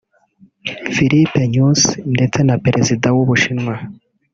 Filipe Nyusi ndetse na Perezida w’u Bushinwa